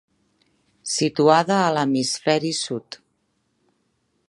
Situada a l'hemisferi sud.